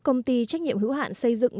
công ty trách nhiệm hữu hạn xây dựng